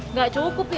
nggak cukup ya